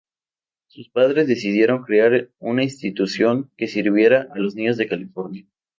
Sus padres decidieron crear una institución que sirviera a "los niños de California".